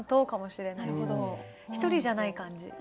１人じゃない感じ。